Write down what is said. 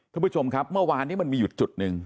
คุณผู้ชมครับเมื่อวานนี้มันมีอยู่จุดหนึ่ง